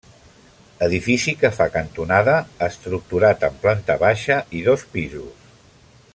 Edifici que fa cantonada, estructurat en planta baixa i dos pisos.